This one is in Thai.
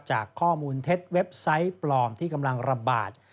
จากข้อมูลเท็จเว็บไซต์ปลอมที่กำลังระบาด